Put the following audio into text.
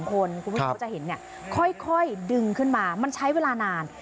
คุณผู้ชมก็จะเห็นเนี่ยค่อยดึงขึ้นมามันใช้เวลานาน